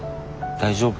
大丈夫。